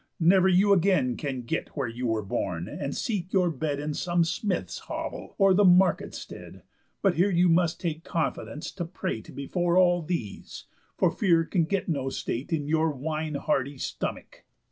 Never you again Can get where you were born, and seek your bed In some smith's hovel, or the marketsted, But here you must take confidence to prate Before all these; for fear can get no state In your wine hardy stomach.